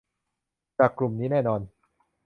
จากกลุ่มนี้แน่นอน